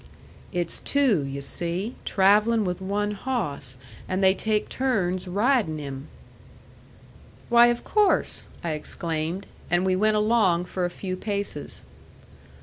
"It's two, you see, travelling with one hawss, and they take turns riding him." "Why, of course!" I exclaimed; and we went along for a few paces.